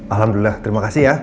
alhamdulillah terima kasih ya